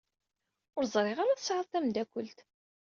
Ur ẓriɣ ara tesɛiḍ tameddakelt.